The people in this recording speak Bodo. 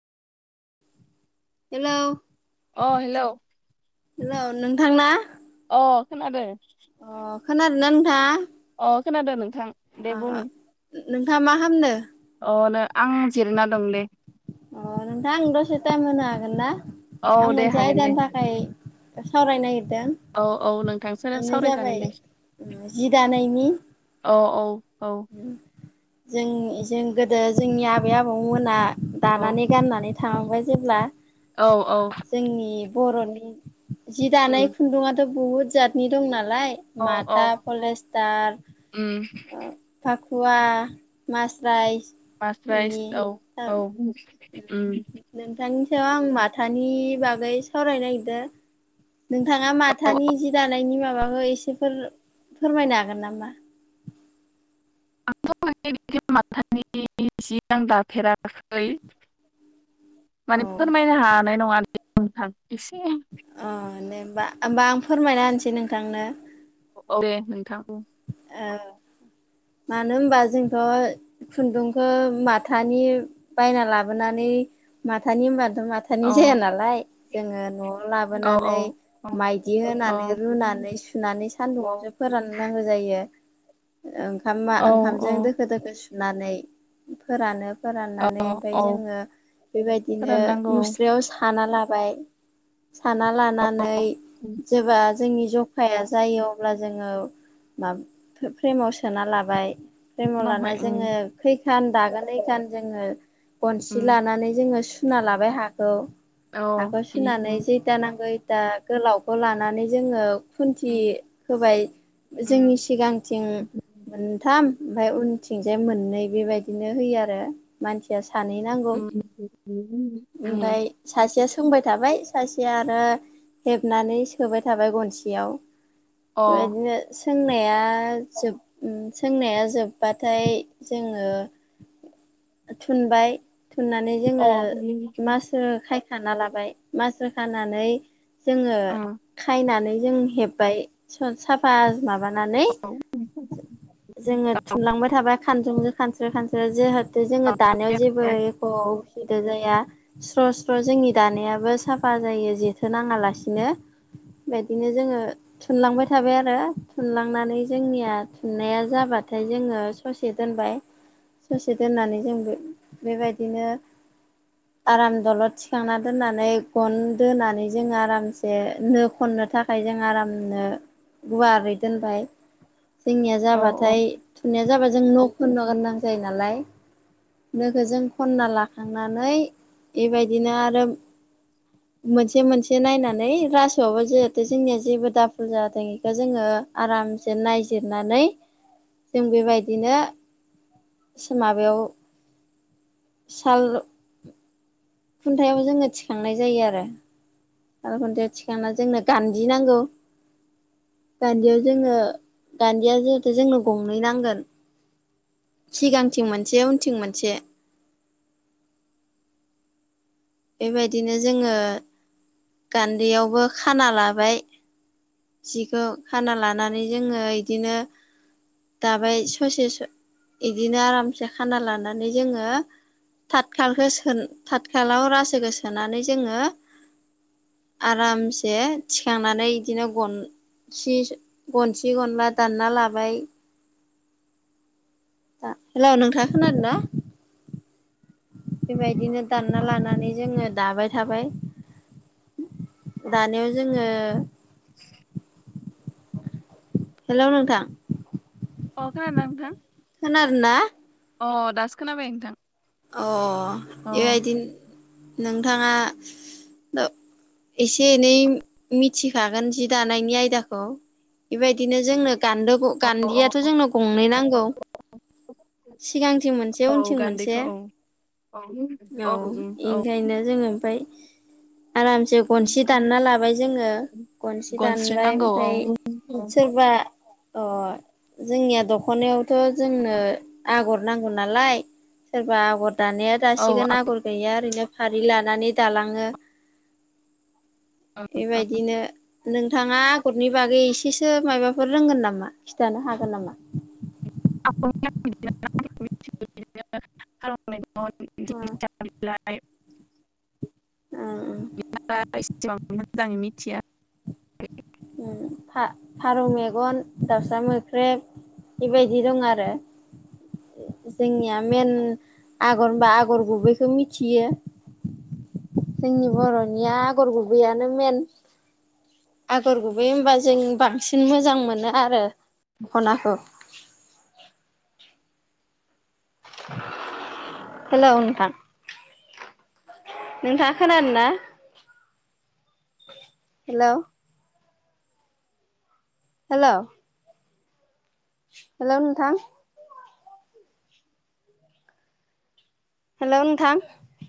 हेलौ। अ हेलौ। हेल' नोंथां ना? अ खोनादो। अ खोनादो ना नोंथां? अ खोनादो नोंथां। दे आ बुं नोंथाङा मा खामदो? अनो आं जिरायना दंलै। अ नोंथां आं दसे टाइम होनो हागोन ना आं औ दे मोनसे हागोन दे आयदानि थाखाय ओ सावराय नागिरदों? औ-औ नोंथांसोर बेनो जाबाय सावरायजागोन दे। जि अ औ-औ। जोंनि जों गोदो जोंनि आबै आबौमोना औ दानानै गाननानै थांबाय जेब्ला। औ-औ। जोंनि बर'नि जि दानाय उम खुन्दुाथ' बुहुद जातनि दं नालाय। औ औ माथा, पलेस्टार उम। फाखुवा, मासराइस। मासराइस औ औ उम नोंथांनि सायाव आं माथानि बागै सावरायनो नागिरदो नोंथाङा माथानि जि दानायनि माबाखौ एसेफोर फोरमायनो हागोन नामा? [unintelligible] दाफेराखै अ माने फोरमायनो हानाय नङा नोंथां एसे अ दे होमबा होमबा आं फोरमायना होनसै नोंथांनो। औ दे नोंथां। ओ। मानो होनबा जोंथ'। खुन्दुंखौ माथानि बायना लाबोनानै माथानि होमबाथ माथा अ औ जाया नालाय जोङो न'आव औ लाबोनानै माइदि होनानै रुनानै नानै सान्दुं औ जोब फोराननांगौ जायो। ओंखाम औ ओंखामजों औ दोखो दोखो सुनानै फोरानो औ फोराननानै ओमफ्राय औ जोङो बेबायदिनो फोराननांगौ मुस्रायाव साना लाबाय, साना लानानै उनावहाय जेब्ला जोंनि जखाया जायो अब्ला जोङो मा फ्रेमाव सोनालाबाय लाबाय, फ्रेमावलाना उम जोङो खैखान दागोन खैइखान जोङो गनसि उम लानानै जोङो सुना लाबाय हाखौ। औ हाखौ उम सुनानै उम जे [unintelligible] गोलावखौ लानानै जोङो खुन्थि होबाय। जोङो उम सिगांथिं मोनथाम आमफ्राय उनथिंजाय मोननै बेबायदिनो होयो आरो। मानसिया सानै नांगौ। उम उम उम ओमफ्राय सासेया सोंबाय थाबाय सासेया आरो हेबनानै सोबाय थाबाय गनसियाव। अ ओ बेदिनो सोंनाया जोब उम सोंनाया जोबाथाय जोङो थुनबाय थुननानै अ जोङो उम मास ओ खायखाना लाबाय। मास्राय खानानै जोङो औ खायनानै जों हेब्बाय। साफा माबानानै [unintelligible] जोङो थुनलांबाय थाबाय खानजुंजो खानस्रो खानस्रो जेहेतु जोङो दानायाव जेबो अ असुबिदा जाया। स्र' स्र' जोंनि दानायाबो साफा जायो जेथो नाङा लासिनो बेदिनो जोङो थुनलांबाय थाबाय आरो थुनलांनानै जोंनिया थुननाया जाबाथाय जोङो ससे दोनबाय ससे दोननानै जों बे बेबायदिनो आराम दलद थिखांना दोननानै गन दोनानै जोंङो आरामसे नो खननो था खाय जों आरामनो गुवारै दोनबाय। जोंनिया औ अ जाबाथाय थुनायया जाबा जों नो खननो गानां जायो नालाय‌ नोखौ जों खनना लाखांनानै, बेबायदिनो आरो मोनसे मोनसे नायनानै रासोआवबो जिहेथु जोंनिया जेबो दाभुल जाथों बेखौ जोङो आरामसे नायजिरनानै जों बेबायदिनो एसे माबायाव साल खुन्थायाव जोङो थिखांनाय जायो आरो। साल खुन्थायाव थिखांनायाव जोंनो गान्दि नांगौ। गान्दियाव जोङो गान्दिया जिहेथु जोंनो गंनै नांगोन। सिगांथिं मोनसे उनथिं मोनसे। बेबायदिनो जोङो गान्दैयावबो खाना लाबाय जिखौ खाना लानानै जोङो इदिनो दाबाय ससे बिदिनो आरामसे खाना लानानै जोङो थाथखालखौ सो थाथखालाव रासोखौ सोनानै जोङो आरामसे थिखांनानै बिदिनो गन सि गनसे गनला दानना लाबाय हेलौ नोंथाङा! खोनादों ना? बेबायदिनो दानना लानानै जोङो दाबाय थाबाय। दानायाव जोङो [inaudible] हेलौ नोंथां! अ खोनादों नोंथां। खोनादों ना अ दासो खोनाबाय नोंथां अ अ बेबायदि नोंथाङा एसे एनै मिथिखागोन जि दानायनि आयदाखौ बेबायदिनो जोंनो गान्दो औ औ गान्दियाथ' जोंनो गंनै नांगौ सिगांथिं मोनसे औ उनथिं मोनसे गान्दैखौ औ औ औ उम औ ओंखायनो जोंङो ओमफ्राय आरामसे गनसे दानना लाबाय जोङो गनसे दानबाय गनस्रोनांगौ औ ओमफ्राय औ सोरबा अ जोंनिया दख'नायावथ' जोंनो आगर नांगौ नालाय होनबा आगर दानाया दासिगोन आगर गैया ओरैनो फारि लानानै दालाङो ओं ओं बेबायदिनो नोंथाङा आगरनि बागै एसेसो माबाफोर रोंगोन नामा खिथानो हागोन नामा? [unintelligible] माय नोंथाल सिमां मोजाङ मिथिया ओम फारौ मेगन दाउसा मोख्रेब बेबायदि दं आरो जोंनिया मेन आगरबा आगर गुबैखौ मिथियो जोंनि बर'निया आगर गुबैयानो मेन आगर गुबै होमबा जों बांसिन मोजां मोनो आरो दखनाखौ हेल' नोंथां नोंथाङा खोनादों ना? हेल' हेल' हेल' नोंथां हेल' नोंथां